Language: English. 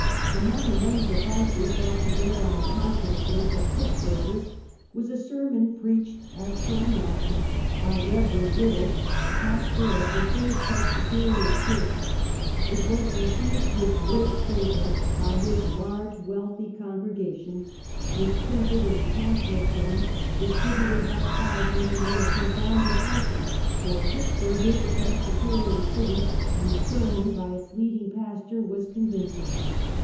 Among the many devices brought to bear on the conscience3 of Pittsburgers,'was a sermon preached, as per announcement, by Rev. Riddle, pastor of the Tliird Presbyterian church. It was received with great fav'or, by his large wealthy congregation, was printed in Fugitive Slave Law. 137 pamphlet form, distributed by thousands and made a profound impression, for Pittsburg is a Presbyterian city, and a sermon by its leading pastor was convinc ing.